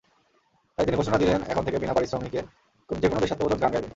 তাই তিনি ঘোষণা দিলেন, এখন থেকে বিনা পারিশ্রমিকে যেকোনো দেশাত্মবোধক গান গাইবেন।